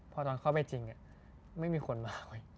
พอตอนเข้าไปจริงไม่มีคนมาเว้ย